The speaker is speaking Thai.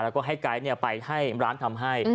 แล้วก็ให้ไกด์ไปให้ร้านทำให้